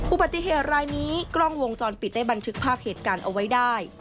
อุบัติเหตุรายนี้กล้องวงจรปิดได้บันทึกภาพเหตุการณ์เอาไว้ได้